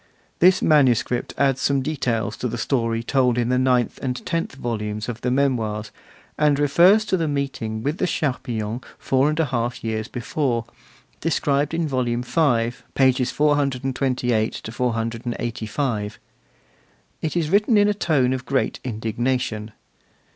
This manuscript adds some details to the story told in the ninth and tenth volumes of the Memoirs, and refers to the meeting with the Charpillons four and a half years before, described in Volume V., pages 428 485. It is written in a tone of great indignation.